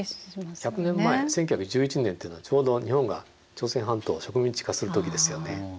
１００年前１９１１年っていうのはちょうど日本が朝鮮半島を植民地化する時ですよね。